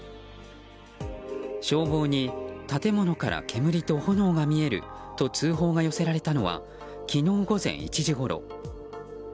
消防に建物から煙と炎が見えると通報が寄せられたのは昨日午前１時ごろ。